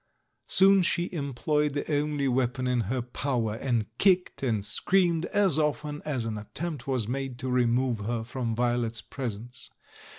Soon she employed the only weapon in her power, and kicked and screamed as often as an attempt was made to remove her from Violet's presence.